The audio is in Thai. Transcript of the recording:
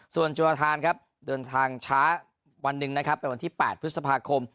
ส่วนจุรทานครับเดินทางช้าวันหนึ่งนะครับเป็นวันที่๘พฤษภาคม